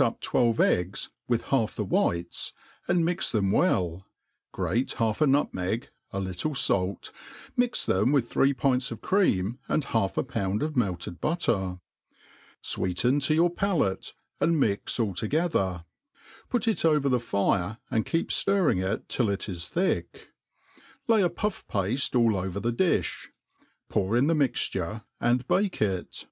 up twelve e^gs with half the whites, and mix them well, grate half a nutmeg, a little falt^ mix them with three pints of cre^im mi half a ppuad of melted butter ; fweeten to your palate, and mix all together ; put it over the fire, and keep birring it till it is thick. Lay a puff pafte all over the difli^ ppur jn the mixture, and bake it.